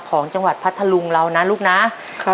ของจังหวัดพัทธลุงเรานะลูกนะครับ